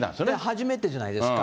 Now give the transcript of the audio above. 初めてじゃないですか。